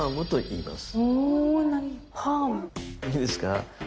いいですか？